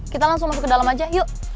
kita langsung masuk ke dalam aja yuk